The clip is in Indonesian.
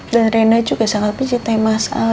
dan reina juga sangat mencintai mas al